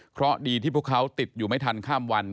เพราะดีที่พวกเขาติดอยู่ไม่ทันข้ามวัน